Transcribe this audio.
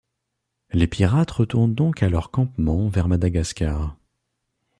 Les pirates retournent donc à leur campement vers Madagascar.